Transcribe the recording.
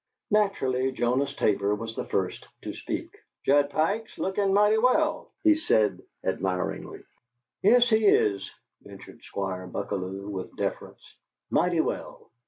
Naturally, Jonas Tabor was the first to speak. "Judge Pike's lookin' mighty well," he said, admiringly. "Yes, he is," ventured Squire Buckalew, with deference; "mighty well."